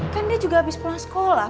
kan dia juga habis pulang sekolah